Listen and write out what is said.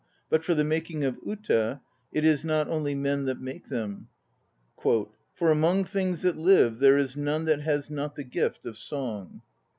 But as for the making of "uta," it is not only men that make them. "For among things that live there is none that has not the gift of song."